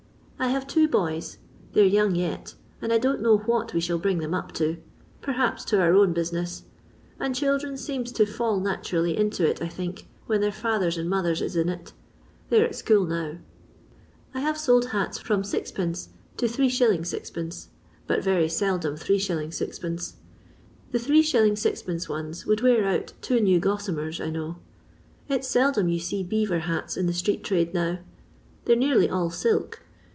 I have two boys; they're young yet, and I don't know what we shall bring them up to ; perhaps to our own business ; and children seems to fall naturally into it, I think, when their fathers and mothers is in it. They 're at school now. " I have sold hats from M. to 3*. 6<£., but very seldom 3s. 6c/. The 3^. 6e2. ones would wear out two new gossamers, I know. It 's seldom yon see beaver hats in the street trade now, they 're nearly all silk.